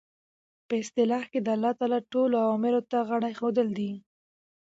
په اصطلاح کښي د الله تعالی ټولو امورو ته غاړه ایښودل دي.